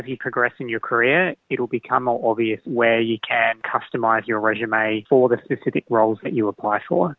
untuk peran yang diperlukan